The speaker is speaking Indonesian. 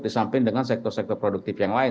disamping dengan sektor sektor produktif yang lain